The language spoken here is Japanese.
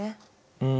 うん。